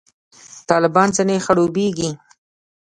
طالبان ځنې خړوبېږي.